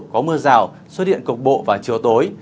có mưa rào xuất điện cục bộ và chiều tối